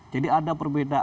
jadi ada perbedaan